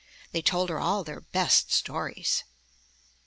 They told her all their best stories.